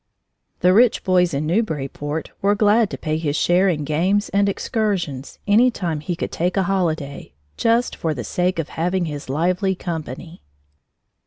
The rich boys in Newburyport were glad to pay his share in games and excursions any time he could take a holiday, just for the sake of having his lively company.